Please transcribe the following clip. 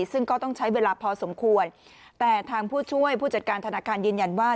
ซึ่งก็ต้องใช้เวลาพอสมควรแต่ทางผู้ช่วยผู้จัดการธนาคารยืนยันว่า